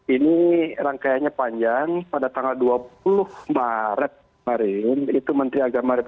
ini rangkaiannya panjang pada tanggal dua puluh maret kemarin itu menteri agama republik indonesia